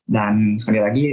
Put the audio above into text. dan sekali lagi